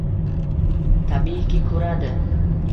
Tabiiyki, ko'radi.